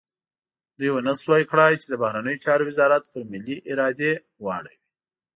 دوی ونه شو کړای چې د بهرنیو چارو وزارت پر ملي ارادې واړوي.